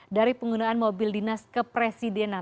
dari penggunaan mobil dinas kepresidenan